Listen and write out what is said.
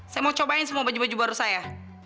saya mau cobain semua baju baju baru saya